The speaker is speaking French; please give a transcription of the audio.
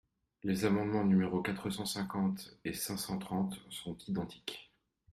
Les amendements numéros quatre cent cinquante et cinq cent trente sont identiques.